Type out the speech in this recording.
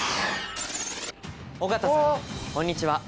尾形さんこんにちは